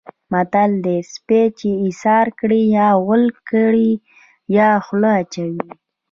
متل دی: سپی چې ایسار کړې یا غول کړي یا خوله اچوي.